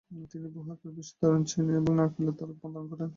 তিনি বহু-একরবিশিষ্ট দারুচিনি ও নারকেলের তালুক দান করেন।